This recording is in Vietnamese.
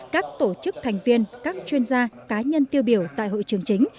các tổ chức thành viên các chuyên gia cá nhân tiêu biểu tại hội trường chính